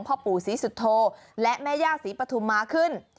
พ่อปู่ศรีสุโธและแม่ย่าศรีปฐุมาขึ้น